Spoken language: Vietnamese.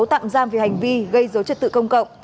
tạm giam vì hành vi gây dấu chất tự công cộng